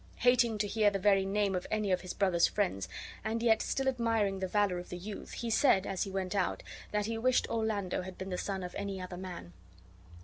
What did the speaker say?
Hating to bear the very name of any of his brother's friends, and yet still admiring the valor of the youth, he said, as he went out, that he wished Orlando had been the son of any other man.